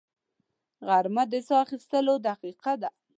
غرمه د ساه اخیستو دقیقه ده